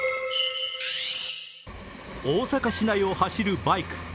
大阪市内を走るバイク。